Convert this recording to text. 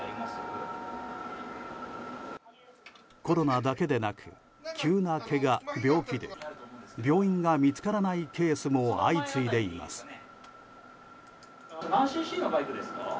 コロナだけでなく急なけが、病気で病院が見つからないケースも相次いでいます。